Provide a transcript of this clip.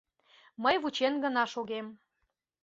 Мый вучен гына шогем.